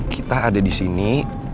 kita ada disini